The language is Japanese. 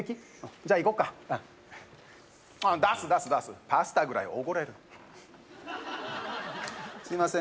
じゃ行こっかああ出す出す出すパスタぐらいおごれるすいません